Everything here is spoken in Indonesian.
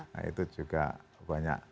nah itu juga banyak